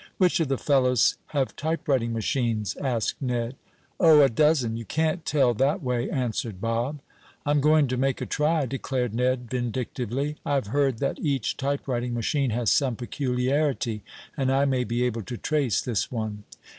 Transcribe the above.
"Which of the fellows have typewriting machines?" asked Ned. "Oh, a dozen. You can't tell that way," answered Bob. "I'm going to make a try," declared Ned, vindictively. "I've heard that each typewriting machine has some peculiarity, and I may be able to trace this one.